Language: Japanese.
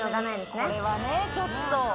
これはねちょっと。